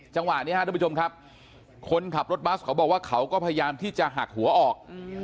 จังหวะนี้ครับทุกผู้ชมครับคนขับรถบัสเขาบอกว่าเขาก็พยายามที่จะหักหัวออก